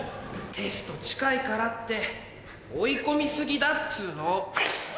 テスト近いからって追い込み過ぎだっつうの。